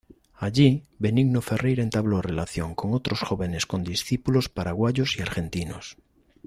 Allí, Benigno Ferreira entabló relación con otros jóvenes condiscípulos paraguayos y argentinos.